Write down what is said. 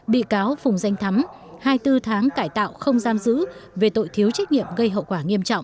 bị cáo phùng danh thắm hai mươi bốn tháng cải tạo không giam giữ về tội thiếu trách nhiệm gây hậu quả nghiêm trọng